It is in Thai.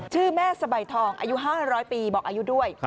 ชื่อแม่สบายทองอายุ๕๐๐ปีบอกอายุด้วย